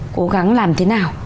cố gắng làm thế nào